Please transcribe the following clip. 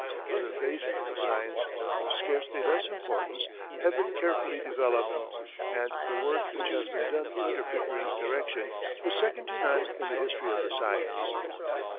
Other phases of the science of scarcely less importance have been carefully developed, and the work which has been done under Pickering's direction, is second to none in the history of the science.